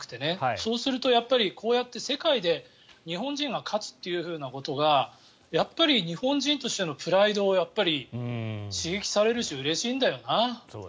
そうすると、こうやって世界で日本人が勝つということがやっぱり日本人としてのプライドを刺激されるしうれしいんだよな。